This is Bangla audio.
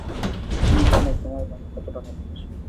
তুমি জানোই তোমায় কতটা ভালোবাসি।